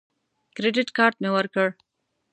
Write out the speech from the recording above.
کریډټ کارت مې ورکړ.